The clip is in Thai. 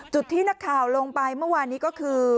ที่นักข่าวลงไปเมื่อวานนี้ก็คือ